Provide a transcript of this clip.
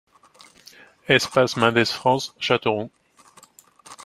Espace Mendes France, Châteauroux